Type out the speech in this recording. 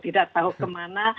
tidak tahu kemana